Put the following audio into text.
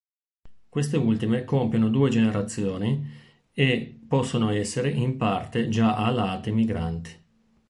Queste ultime compiono due generazioni e possono essere in parte già alate migranti.